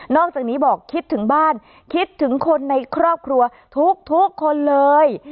อกจากนี้บอกคิดถึงบ้านคิดถึงคนในครอบครัวทุกคนเลย